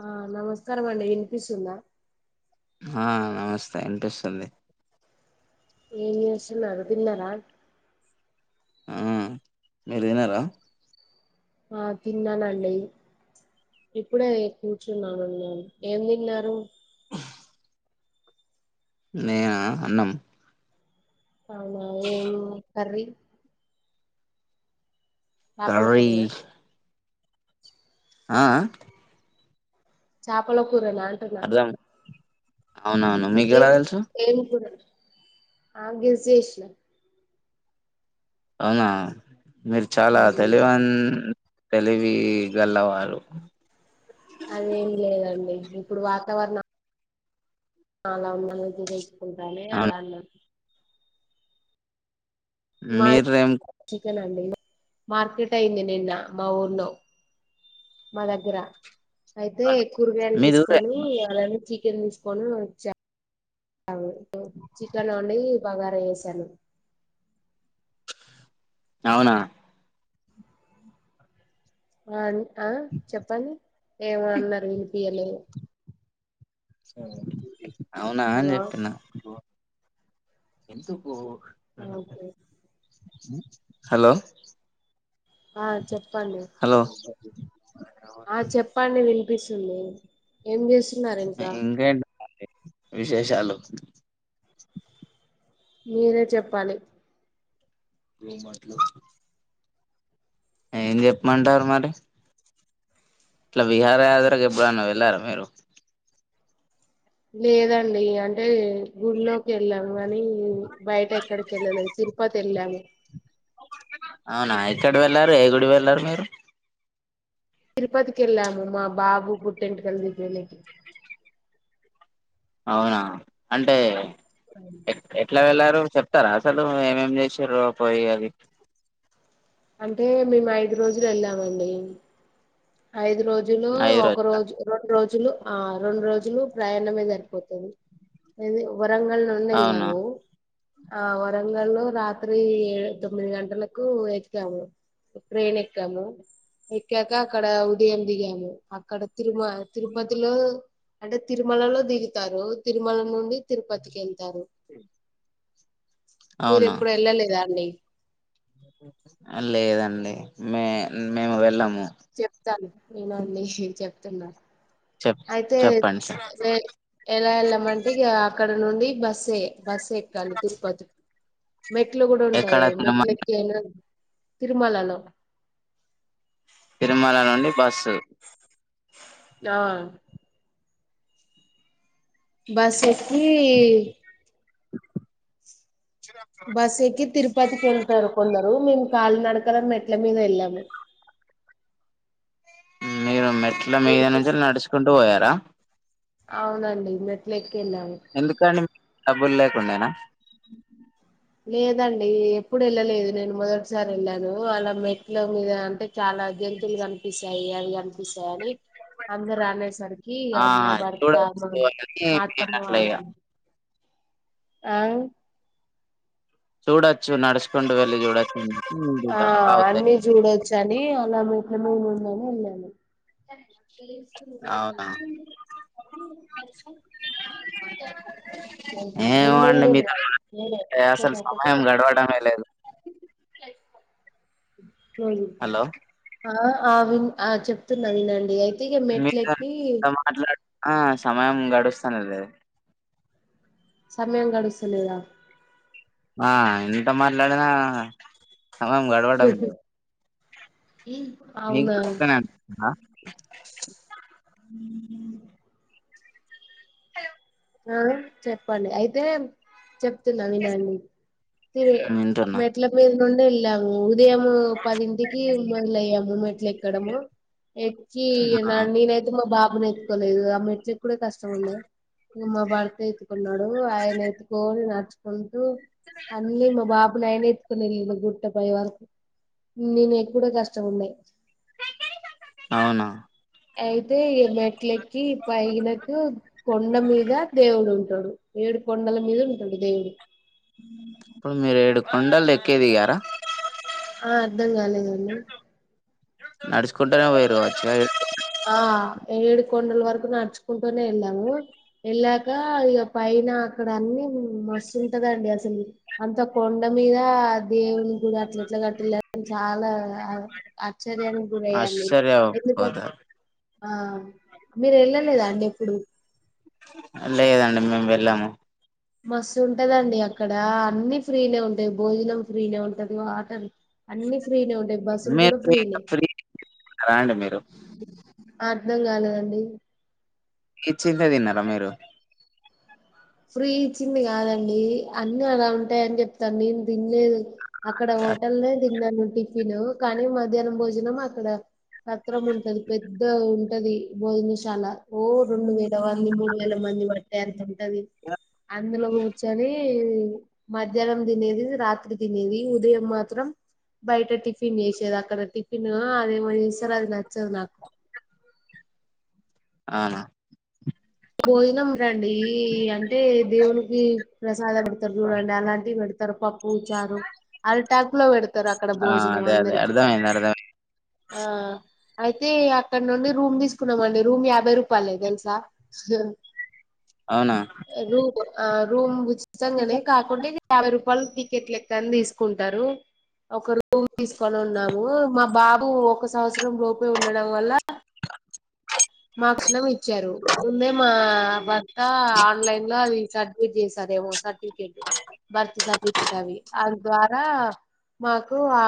ఆ నమస్కారం అండి వినిపిస్తుంద ఆ నమస్తే అనిపిస్తుంది ఏం చేస్తున్నారు తిన్నారా ఆ మీరు తిన్నారా ఆ తిన్నానండి ఇప్పుడే కూర్చున్నాను నేను ఏం తిన్నారు వాటర్ సౌండ్ నీనా అన్నం అవునా ఏం కర్రీ చాపల కూర కర్రీ నా ఆ ఆ చాపల కూర అంటున్న అర్థం అవునవును మీకెలా ఏం తెలుసు ఏం కూర ఆ గెస్ చేసిన అవునా మీరు చాలా మ్మ్. తెలివని తెలివి తేల్లవారు అదేం లేదండి ఇప్పుడు వాతావరణం అలా ఉన్నానని తెచ్చుకుంటానని అవును అలా అన్నాను మాది మీరేం చికెన్ అండి మార్కెట్ అయింది నిన్న మా ఊర్లో మా దగ్గర అయితే కూరగాయలు మీది ఊరే తీసుకొని చికెన్ తీసుకొని వచ్చా చికెన్ వండి బగారా వేసాను అవునా ఆ ఆ చెప్పండి ఏమో అన్నారు వినిపియ్యలే అవునా అని హలో చెప్పిన ఎందుకు ఓకే హలో ఆ చెప్పండి హలో ఆ చెప్పండి వినిపిస్తుంది ఏం చేస్తు ఇంకేంటి చెప్పండి విశేషాలు మీరే చెప్పాలి రూ మట్లు ఏం జెప్మంటారు మరి ఇట్లా విహార యాద్రకి ఎబ్బుడన్నా వెళ్ళారా మీరు లేదండి అంటే గుళ్లోకెళ్ళాం వనీ బయటెక్కడెక్కకెళ్ళలేదు తిరుపతెళ్ళాము అవునా ఎక్కడ వెళ్ళారు ఏ గుడి వెళ్లారు మీరు తిరుపతికెళ్ళాము మా బాబు పుట్టింటికల్ దీపినేకి అవునా అంటే ఎక్ ఎట్ల వెళ్లారు చొప్తారా అసలు ఏమేమ్ జేసిర్రో పొయ్యవి అంటే మేము ఐదు రోజులు వెళ్ళామండి ఐదు రోజులో ఐదు ఒక రోజుల రోజు రొండు రో జులో రొండ్రోజులు ప్రయాణమే జరిపోతది ఇది వ వరంగల్ నుండి అవును ఎళ్యాము ఆ వరంగల్ లో రాత్రి ఏ తొమ్మిది గంటలకు ఎక్యాము ట్రేనెక్కాము ఎక్యాక అక్కడ ఉదయం దిగాము అక్కడ తిరుమ తిరుపతిలో అంటే తిరుమలలో దిగుతారు తిరుమల నుండి తిరుపతికెళ్తారు [unintelligible] మీరెప్పుడు ఎళ్ళలేదా అండి ఆ లేదండి మే మేము వెళ్ళము చెప్తాను ఇనండి చెప్తున్నా చెప్ అయితే చెప్పండి సార్ వె ఎలా ఎళ్ళామంటే ఇగ అక్క డ నుండి బస్సే బస్సెక్కాలి తిరుపతి మెట్లు గుడా ఎక్కడ ఉంటాయ్ తిరుమల మెట్లెక్కి అయినా తిరుమలలో తిరమల నుండి బస్సు ఆ బస్సెక్కీ బస్సెక్కి తిరుపతికెళ్తరు కొందరు మేము కాల్ నడకల మెట్ల మీద ఎల్యాము మీరు మెట్ల మీద నుంచి నడుచుకుంటూ బోయారా అవునండి మెట్లెక్కి ఎళ్ళాము డబ్బులెంకుడెన లేదండి ఎప్పుడు ఎళ్ళలేదు నేను మొదటిసారి ఎళ్ళాను అలా మెట్ల మీద అంటే చాల ఆ జంతులు గన్పిస్తాయి అవి గన్పిస్తాయని అందరు అనేసరి కి ఇగ ఆ మా బర్తా మా మా చూడచ్చు అని నేను మాత్తమ్మ [inaudible] అట్లా ఇగ ఆ చూడచ్చు నడుస్కుంట వెళ్లి జూడచ్ ఆ అన్నీ జూడొచ్చని అలా మెట్ల మీదనుందనే వెళ్యాము అవునా ప ముందెళ్ళిళ్ళ్ గాదు యా అసలు సమయం గడవడమే లేదు క్లోజ్ ఇబ్బన్ హలో ఆ ఆ వి ఆ చెప్తున్నా వినండి అయితే ఇక మీతోని మెట్లెక్కి ఎట్లా మాట్లాడుతున్నా సమయం గడుస్తానులేదు సమయం గడుస్తులేదా ఆ ఎంత మాట్లాడినా సమయం గడవడం లేదు మీకు అవునా కూడా అట్లనే అనిపిస్తుందా హ ఆ చెప్పండి అయితే చెప్ చెప్తున్న వినండి అది వింటున్నా మెట్లమీదినుండి వెళ్ళాము ఉత్ ఉదయము పదింటికి మొదలయ్యాము మెట్లు ఎక్కడము ఎక్కి నేనైతే మా బాబును ఎత్తుకోలేదు ఆ మెట్లు ఎక్కడం కష్టం ఉండే ఉ మా భర్త ఎత్తుకున్నాడు ఆయన ఎత్తుకొని నడచుకున్ అన్నీ మా బాబునయన ఎత్తుకొని వెళ్ళిండు గుర్ చపోయే వరకు నేను ఎక్కుడే కష్టం ఉండే అవునా అయితే ఈ మెట్లెక్కి పైనకు కొండ మీద దేవుడు ఉంటడు ఏడు కొండల మీద ఉంటడు దేవుడు ఇప్పుడు మీరు ఏడు కొండలు ఎక్కేదిగారా ఆ అర్ధం కాలేదండి నడుచుకుంటేనే ఓయ్యిరు కావచ్చు ఏ ఆ ఏడు కొండల వరకు నడుచుకుంటూనే వెళ్ళాము వెళ్ళాక ఇగ పైన అక్కడ అన్ని మస్తుంటదండి అసలు అంత కొండ మీద దేవుని గుడి అట్ల ఎట్లా కట్టళ్ళు అని చాలా ఆశ్చర్యానికి గురయ్యాను నేను ఎందుకం ఆశ్చర్యపోతారు ఆ మీరు వెళ్ళలేదా అండి ఎప్పుడు లేదండి మేము వెళ్ళాము మస్తు ఉంటదండి అక్కడ అన్ని ఫ్రీనే ఉంటాయి భోజనం ఫ్రీనే ఉంటది వాటర్ అన్ని ఫ్రీనే ఉంటాయి బస్సులు మీరు కూడా ఫ్రీ ఫ్రీనే ఫ్రీ తిన్నారా అండి మీరు అర్థం కాలేదండి ఫ్రీ ఇచ్చిందే తిన్నారా మీరు ఫ్రీ ఇచ్చింది కాదండి అన్నీ అలా ఉంటాయని చెప్తాన్న నేను తినలేదు అక్కడ హోటల్నే తిన్నాను టిఫిన్ కానీ మధ్యాహ్నం భోజనం అక్కడ సత్రం ఉంటది పెద్దగా ఉంటది భోజనశాల ఓ రెండు వేల వంది, మూడు వేల మంది మంది పట్టే అంత ఉంటది అందులో కూర్చొని కే మధ్యాహ్నం తినేది రాత్రి తినేది ఉదయం మాత్రం బయట టిఫిన్ చేసేది అక్కడ టిఫిన్ అదేమో చేస్తారు అది నచ్చదు నాకు ఆ భోజనం టండి అంటే దేవునికి ప్రసాదం పెడతారు చూడండి అలాంటివి పెడతారు పప్ పూ చారు అరటి ఆకులో పెడతారు అక్కడ ఆ భోజనం అదే అదే అందరికి అర్థమైంది అర్థమైంది ఆ అయితే అక్కడ నుండి రూమ్ తీసుకున్నామండి రూమ్ యాభై రూపాయలే తెలుసా అవునా రూబ్ ఆ రూమ్ ఇష్టంగానే కాకుంటే ఈ యాభై రూపాయల టికెట్ లెక్కని తీసుకుంటారు ఒక రూమ్ తీసుకొని ఉన్నాము మా బాబు ఒక సంవత్సరం లోపే ఉండడం వల్ల మార్క్స్నం ఇచ్చారు ముందే మా భర్త ఆన్లైన్ లో అది సర్టిఫికేట్ చేస్తారేవో సర్టిఫికేట్ బర్త్ సర్టిఫికెట్ అవి అవీ ద్వారా మాకు ఆ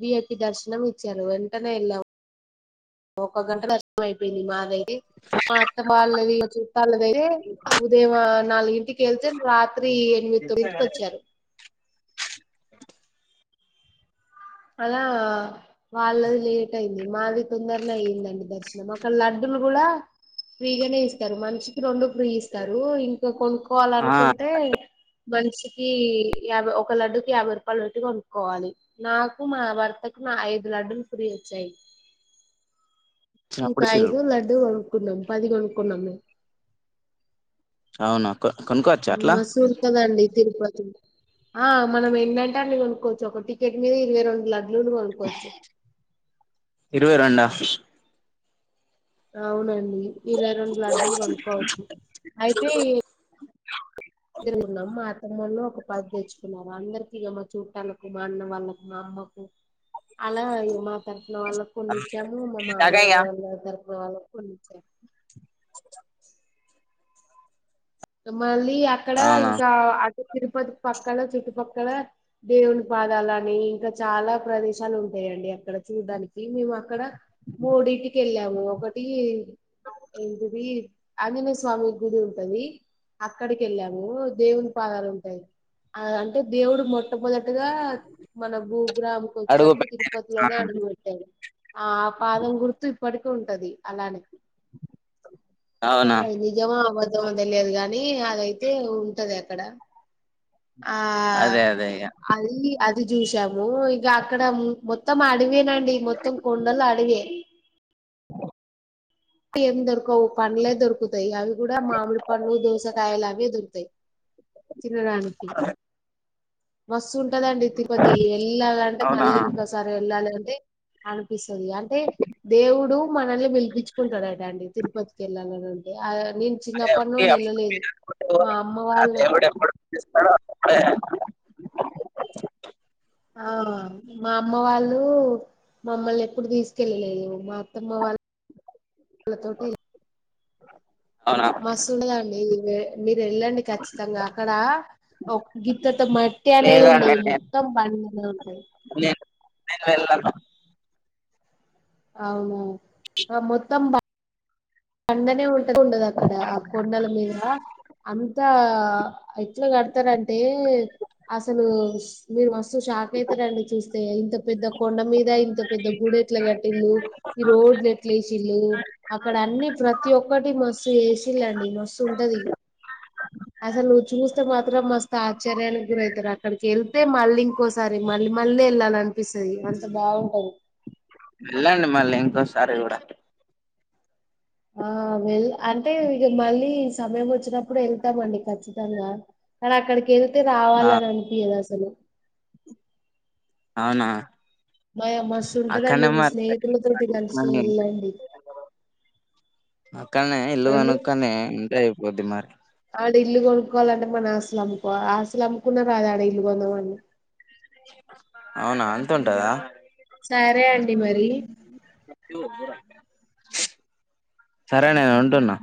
విఐపి దర్శనం ఇచ్చారు వెంటనే వెళ్ళాం ఒక గంట నష్టం అయిపోయింది మాదైతే మా అత్త బాల్లది ఇగ చుట్టాలది ఐతే ఉదయం నాలుగింటికి వెళ్తే రాత్రి ఎనిమిది ంటికొచ్చారు అలా వాళ్ళది లేట్ అయింది మాది తొందరనే అయ్యిందండి దర్శనం ఒక లడ్డులు కూడా ఫ్రీగానే ఇస్తారు మనిషికి రెండు ఇస్తారు ఇంకా కొనుక్కోవాల ఆ అనుకుంటే మనిషికి యాభై ఒక లడ్డుకి యాభై రూపాయలు పెట్టి కొనుక్కోవాలి నా మా భర్తకు ఐదు లడ్డులు ఫ్రీ వచ్చాయి ఇంకా వచ్చినప్పుడు ఇచ్చిర్రు ఐదు లడ్డు కొనుక్కున్నాం పది కొనుక్కున్నాం మేం అవునా కొ- కొనుక్కోవచ్చా అట్లా మస్సూ ఉంటదండి తిరుపతి ఆ మనం ఏంటం టే అన్ని కొనుక్కోచ్చు ఒక టికెట్ మీద ఇరవై రెండు లడ్ ఇరవై రెండా అవునండి ఇరవై రెండు లడ్డులు కొనుక్కోవచ్చు అయితే ఎదురుగున్నాం మా అ తమ్మోళ్ళు ఒక పది తెచ్చుకున్నారు అందరికిగా మా చుట్టాలకు మా అన్న వాళ్ళకు మా అమ్మ మాకు అలా మా తరఫున వాళ్ళ కొన్ని ఇచ్చాము మా మామయ్య వాళ్ళ అందర్ తరప్ వాళ్లకు కొన్ని ఇచ్చాం మళ్ళీ అక్కడ అవునా ఇంకా అటు తిరుపతి పక్కల చుట్టుపక్కల దేవుని పాదాలు అని ఇంకా చాలా ప్రదేశాలు ఉంటాయి అండి అక్కడ చూడ్డానికి మేము అక్కడ మోడిటికి వెళ్ళాము ఒకటి ఏంటిది ఆంజనే స్వామి గుడి ఉంటది అక్కడికి వెళ్ళాము దేవుని పాదాలు ఉంటాయ్ అ అంటే దేవుడు మొట్టమొద టగా మన భూగ్రామ్ కు అడుగు వచ్చినప్పుడు తిరుపతిలోనే పెట్టాను అడుగు బెట్టాడు ఆ పాదం గుర్తు ఇప్పటికి ఉంటది అలానే అవునా అది నిజమో అబద్ధమో తెలియదు గా అది అయితే ఉంటది అక్కడ ఆ అదే అదే ఇగ అది అది చూసాము ఇక అక్కడ మొత్తం అడివేనండి మొత్తం కొండలు అడి వే ఏమి దొరకవు పండ్లే దొరుకుతాయి అవి కూడా మామిడి పండ్లు దోసకాయలు అవే దొరుకుతయి తినడానికి మస్తు ఉంటదండి తిరుపతి వెళ్ళాలంటే అవునా మళ్ళీ అంటే ఇంకోసారి వెళ్ళాలి అంటే అనిపిస్ అంటే దేవుడు మనల్ని పిలిపిచ్ అండి తిరుపతికి వెళ్ళాలి అని అంటే ఆ నేను అదే చిన్నప్పటి వచ్చి నుండి అప్ వెళ్ళలేదు మా [unintelligible] అమ్మ ఆ వాళ్ళు దేవుడెప్పుడు పిలుస్తాడో అప్పుడే ఆ మా అమ్మ వాళ్ళు మమ్మల్ని ఎప్పుడు తీసుకెళ్ళలేదు మా అత్తమ్మ వాళ్ళు వీళ్లతోటి అవునా మస్తుండదండి మీరు వెళ్ళండి ఖచ్చితంగా అక్కడా ఓ గింతంతా మెట్టేనేది లేదండి ఉండదు నేను మొత్తం బండనే ఉంటది నేను నేను వెళ్ళాను అవును ఆ మొత్తం బా బండనే ఉంట ఉండదు అక్కడ ఆ కొండల మీద అంతా ఎట్లా కడతారంటే అసలు మీరు మస్త్ షాక్ అయితరండి చూస్ ఇంత పెద్ద కొండ మీద ఇంత పెద్ద గుడి ఎట్లా కట్టిల్లు ఈ రోడ్లు ఎట్ల వేసిల్లు అక్కడ అన్ని ప్రతి ఒక్కటి మస్తు చేసీలండి మస్తు ఉంటది అసలు నువు చూస్తే మాత్రం మస్తు ఆశ్చర్యానికి గురవుతారు అక్కడికి వెళ్తే మళ్ళీ ఇంకోసారి మళ్ళీ మళ్ళ వెళ్ళాలి అనిపిస్తది వెళ్ళండి మళ్ళీ ఇంకోసారి కూడా ఆ వెల్ అంటే ఇక మళ్ళీ సమయం వచ్చినప్పుడు వెళ్తామండి ఖచ్చి తంగా కానీ అక్కడికి వెళ్తే ఆ రావాలని అనిపించదు అసలు అవునా మా అమ్మస్తు అక్కడనే ఉంటదండి మీ మరి స్నేహితుల తోటి కలిసి వెళ్ళండి అక్కనే ఇల్లు కోనుక్కనే ఉంటే అయిపోద్ది మరి ఆడ ఇల్లు కొనుక్కోవాలంటే మన ఆస్తులు అమ్ముకోవి ఆస్తులు అమ్ముకున్న రాదడ ఇల్లు కొందమని అవునా అంత ఉంటదా సరే అండి మరి సరే నేను ఉంటున్నా